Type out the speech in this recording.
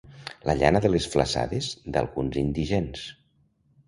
La llana de les flassades d'alguns indigents.